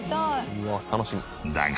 「うわ楽しみ」だが